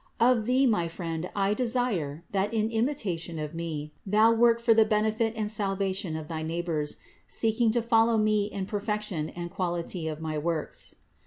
Of thee, my friend, I desire, that in imitation of me, thou work for the benefit and salva tion of thy neighbors, seeking to follow me in the per fection and quality of my works.